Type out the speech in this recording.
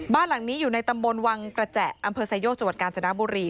บ้านหลังนี้อยู่ในตำบลวังกระแจอไซโยกจกาญจนบุรี